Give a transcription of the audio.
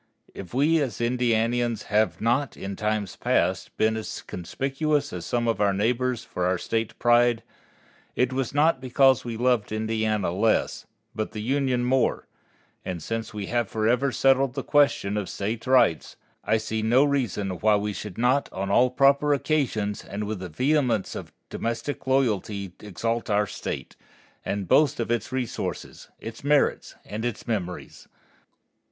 If we as Indianians have not, in times past, been as conspicuous as some of our neighbors for our State pride, it was not because we loved Indiana less, but the Union more; and since we have forever settled the question of State rights, I see no reason why we should not on all proper occasions and with the vehemence of domestic loyalty exalt our State, and boast of its resources, its merits, and its memories.